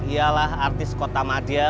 ialah artis kota madia